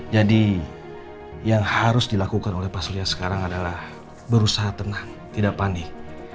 jadi yang harus dilakukan oleh pak surya sekarang adalah berusaha tenang tidak panik